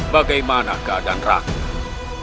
bagaimana keadaan rakyat